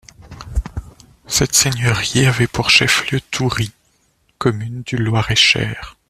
Cette seigneurie avait pour chef-lieu Thoury, commune du Loir-et-Cher.